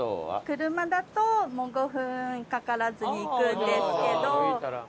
車だと５分かからずに行くんですけど。